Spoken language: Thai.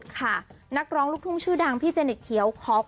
ก่อนหน้านี้